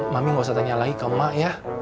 mami gak usah tanya lagi ke mak ya